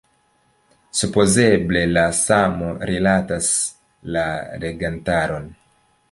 Supozeble la samo rilatas la legantaron.